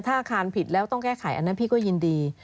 ถ้าอาคารผิดแล้วต้องแก้ไขอันนั้นพี่ก็ยินดี